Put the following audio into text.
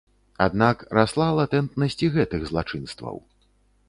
Аднак расла латэнтнасць і гэтых злачынстваў.